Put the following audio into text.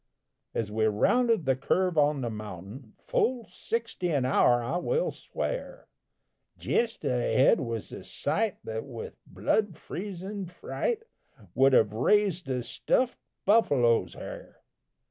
As we rounded the curve on the mountain, Full sixty an hour I will swear, Jest ahead was a sight that with blood freezin' fright Would have raised a stuffed buffalo's hair.